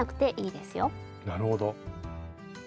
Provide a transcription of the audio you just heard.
なるほど。